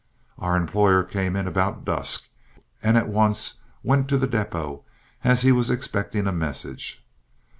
Our employer came in about dusk, and at once went to the depot, as he was expecting a message.